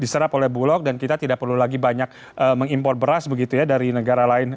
diserap oleh bulog dan kita tidak perlu lagi banyak mengimpor beras begitu ya dari negara lain